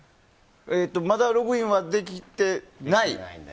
まだログインはできてない？